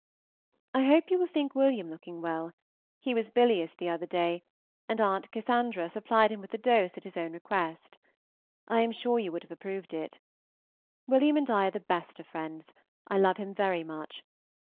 I hope you will think Wm. looking well; he was bilious the other day, and At. Cass. supplied him with a dose at his own request. I am sure you would have approved it. Wm. and I are the best of friends. I love him very much.